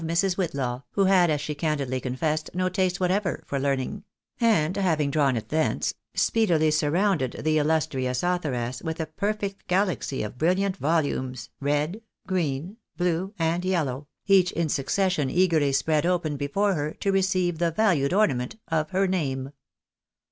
199 Mrs. Whitlaw (who had, as she candidly confessed, no taste ■what ever for learning) ; and having drawn it thence, speedily surrounded the illustrious authoress with a perfect galaxy of brilliant volumes, red, green, blue, and yellow, each in succession eagerly spread open before her to receive the valued ornament of her name.